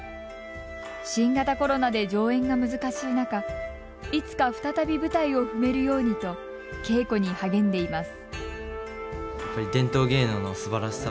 新型コロナで上演が難しい中いつか再び舞台を踏めるようにと稽古に励んでいます。